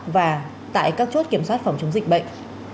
và tại các chốt kiểm soát phòng chống dịch bệnh